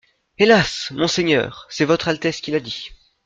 Hélas ! monseigneur, c'est Votre Altesse qui l'a dit.